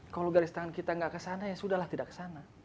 kalau garis tangan kita gak kesana ya sudahlah tidak kesana